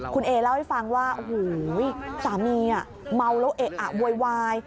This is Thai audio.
คุณเอเล่าให้ฟังว่าโอ้โหสามีเมาแล้วเอะอะโวยวาย